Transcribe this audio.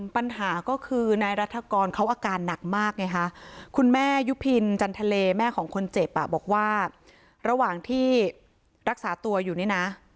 ปัญหาก็คือนายรัฐกรเขาอาการหนักมากไงคะคุณแม่ยุพินจันทะเลแม่ของคนเจ็บอ่ะบอกว่าระหว่างที่รักษาตัวอยู่นี่นะ